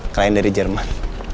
klien dari jerman